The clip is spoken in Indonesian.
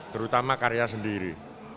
terutama karya sendiri